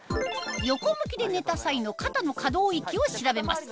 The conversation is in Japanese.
横向きで寝た際の肩の可動域を調べます